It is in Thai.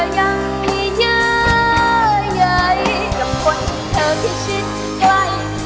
เธอยังมีเยอะใหญ่